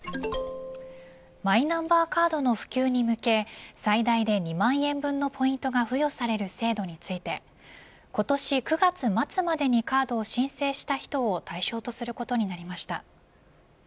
マイナンバーカードの普及に向け最大で２万円分のポイントが付与される制度について今年９月末までにカードを申請した人を対象とすることになりました。